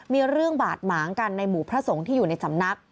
มีเรื่องบาดหมางกันในหมู่พระสงฆ์ที่อยู่ในสำนัก